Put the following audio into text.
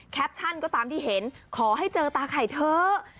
แคปชั่นก็ตามที่เห็นขอให้เจอตาไข่เถอะ